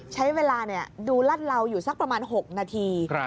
ใช้เวลาสองนาที